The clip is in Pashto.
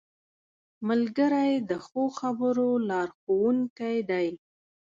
ملګری د ښو خبرو لارښوونکی دی